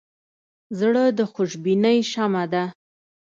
زړه د خوشبینۍ شمعه ده.